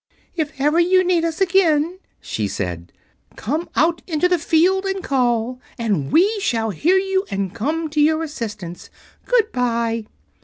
"If ever you need us again," she said, "come out into the field and call, and we shall hear you and come to your assistance. Good bye!"